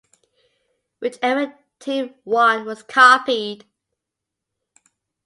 Whichever team won was copied.